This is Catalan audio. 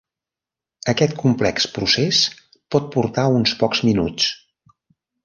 Aquest complex procés pot portar uns pocs minuts.